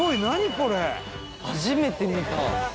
高岸：初めて見た。